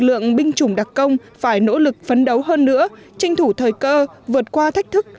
lực lượng binh chủng đặc công phải nỗ lực phấn đấu hơn nữa tranh thủ thời cơ vượt qua thách thức